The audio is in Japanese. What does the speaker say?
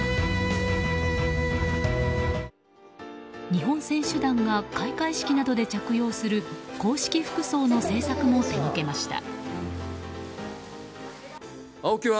日本選手団が開会式などで着用する公式服装の制作も手掛けました。